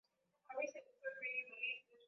Vyura ni viumbe vinavyopiga kelele sana haswa